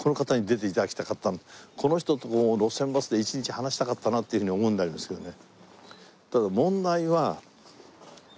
ホントにこの人とも『路線バス』で一日話したかったなっていうふうに思うんでありますけどね。